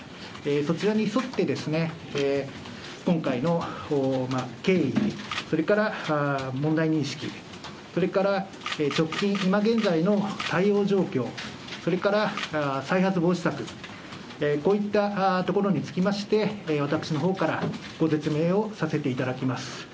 そちらに沿って、今回の経緯、それから問題認識、それから直近、今現在の対応状況、それから再発防止策、こういったところにつきまして私のほうからご説明をさせていただきます。